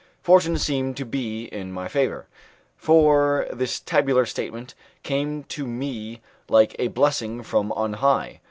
Fortune seemed to be in my favour, for this tabular statement came to me like a blessing from on high.